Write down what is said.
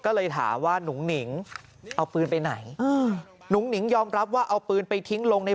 ก็เลยถามว่านุ่งหนิงเอาปืนไปไหนหนุ่งหนิงยอมรับว่าเอาปืนไปทิ้งลงใน